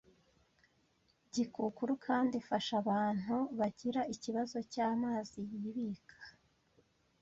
gikukuru kandi ifasha abantu bagira ikibazo cy’amazi yibika